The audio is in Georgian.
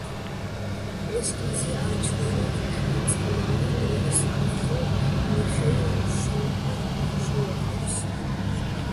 ესკიზი აჩვენეს წყნარი დონის ავტორს მიხეილ შოლოხოვს.